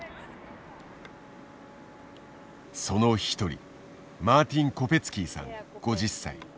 その一人マーティン・コペツキーさん５０歳。